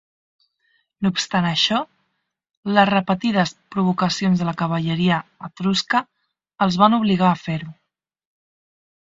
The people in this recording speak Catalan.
No obstant això, les repetides provocacions de la cavalleria etrusca els van obligar a fer-ho.